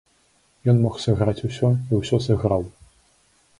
Ён мог сыграць усё, і ўсё сыграў.